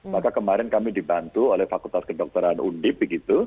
maka kemarin kami dibantu oleh fakultas kedokteran undip begitu